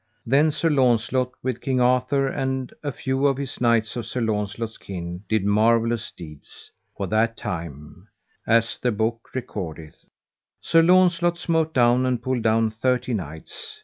Then Sir Launcelot with King Arthur and a few of his knights of Sir Launcelot's kin did marvellous deeds; for that time, as the book recordeth, Sir Launcelot smote down and pulled down thirty knights.